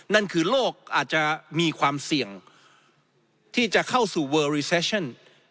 นั่นคือโลกอาจจะมีความเสี่ยงที่จะเข้าสู่เวอร์รีแฟชั่น